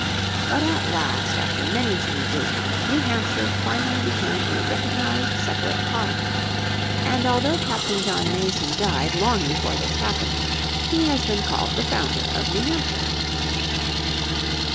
But at last, after many changes, New Hampshire finally became a recognised separate colony. And although Captain John Mason died long before this happened he has been called the founder of New Hampshire.